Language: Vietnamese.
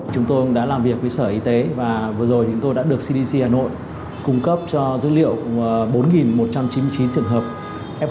chúng tôi đã làm việc với sở y tế và vừa rồi chúng tôi đã được cdc hà nội cung cấp cho dữ liệu bốn một trăm chín mươi chín trường hợp